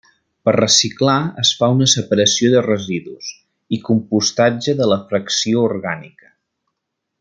Per reciclar, es fa una separació de residus, i compostatge de la fracció orgànica.